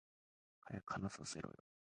早く話させろよ